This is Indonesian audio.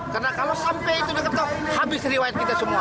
karena kalau sampai itu dekat habis riwayat kita semua